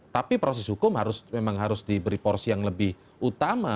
tapi proses hukum memang harus diberi porsi yang lebih utama